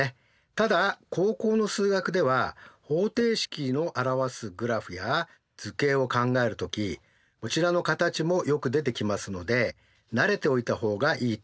ただ高校の数学では方程式の表すグラフや図形を考えるときこちらの形もよく出てきますので慣れておいた方がいいと思います。